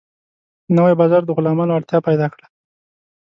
نوی بازار د غلامانو اړتیا پیدا کړه.